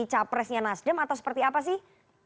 capresnya nasdem atau seperti apa sih